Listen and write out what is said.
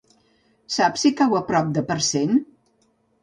Saps si cau a prop de Parcent?